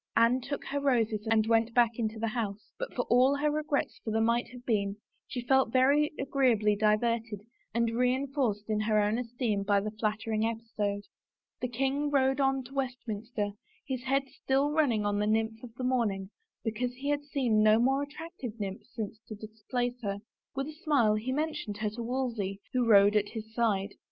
Anne took her roses and 41 U THE FAVOR OF KINGS went back into the house, but for all her regrets for the might have been she felt very agreeably diverted and reenforced in her own esteem by the flattering episode. The king rode on to Westminster, his head still run ning on the nymph of the morning because he had seen no more attractive nymph since to displace her. With a smile he mentioned her to Wolsey, who rode at his side.